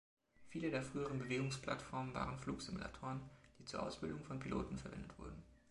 Viele der frühen Bewegungsplattformen waren Flugsimulatoren, die zur Ausbildung von Piloten verwendet wurden.